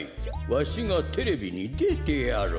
わしがテレビにでてやろう。